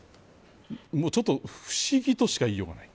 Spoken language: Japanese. ちょっと不思議としか言いようがない。